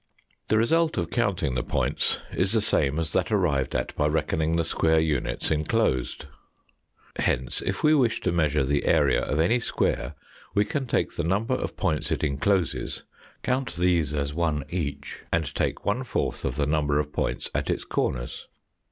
The result of counting the points is the same as that arrived at by reckoning the square units enclosed. Hence, if we wish to measure the area of any square we can take the number of points it encloses, count these as one each, and take one fourth of the number of points at its corners.